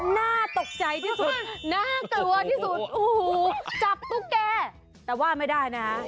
น่าตกใจที่สุดน่ากลัวที่สุดโอ้โหจับตุ๊กแก่แต่ว่าไม่ได้นะ